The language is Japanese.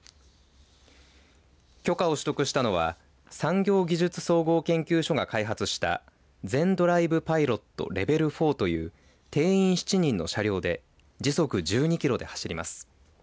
許可を取得したのは産業技術総合研究所が開発したＺＥＮｄｒｉｖｅＰｉｌｏｔＬｅｖｅｌ４という定員７人の車両で時速１２キロで走ります。